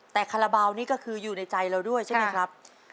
แต่คาราบาลนี่ก็คืออยู่ในใจเราด้วยใช่ไหมครับ